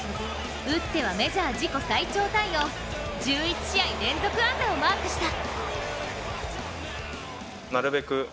打ってはメジャー自己最長タイの１１試合連続安打をマークした。